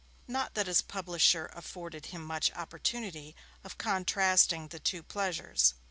Not that his publisher afforded him much opportunity of contrasting the two pleasures.